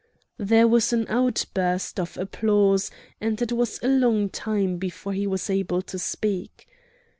There was an outburst of applause, and it was a long time before he was able to speak.